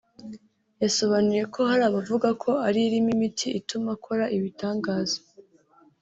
yasobanuye ko hari abavuga ko ariyo irimo imiti ituma akora ibitangaza